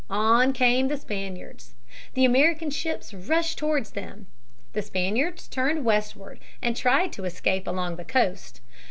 On came the Spaniards. The American ships rushed toward them. The Spaniards turned westward and tried to escape along the coast.